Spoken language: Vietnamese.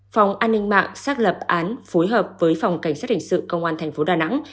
phòng an ninh mạng xác lập án phối hợp với phòng cảnh sát hình sự công an thành phố đà nẵng